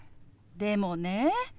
でもね